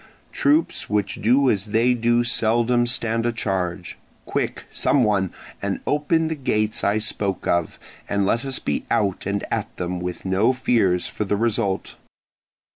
Troops which do as they do seldom stand a charge. Quick, someone, and open the gates I spoke of, and let us be out and at them with no fears for the result."